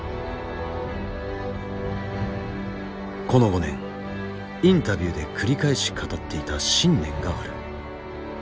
この５年インタビューで繰り返し語っていた信念がある。